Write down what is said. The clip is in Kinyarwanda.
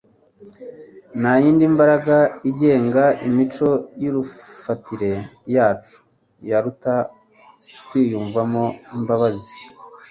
Nta yindi mbaraga igenga imico y'iruyifatire yacu yaruta kwiyumvamo imbabazi